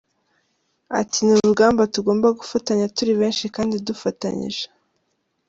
Ati” Ni urugamba tugomba gufatanya turi benshi kandi dufatanyije.